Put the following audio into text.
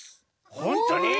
ほんとに？